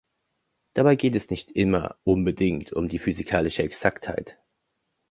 Dabei geht es nicht immer unbedingt um physikalische Exaktheit.